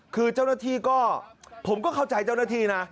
คือเจ้าหน้าที่ก็ผมก็เข้าใจเจ้าหน้าที่นะ